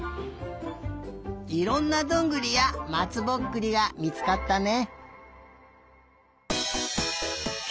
いろんなどんぐりやまつぼっくりがみつかったね。